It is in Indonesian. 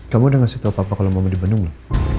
kamu udah ngasih tau papa kalau mau ke bandung loh